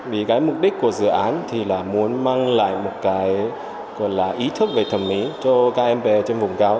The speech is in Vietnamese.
vì cái mục đích của dự án thì là muốn mang lại một cái ý thức về thẩm mỹ cho các em bé trên vùng cao